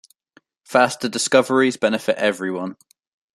Faster discoveries benefit everyone.